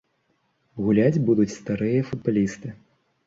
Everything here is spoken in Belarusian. Гуляць будуць старыя футбалісты.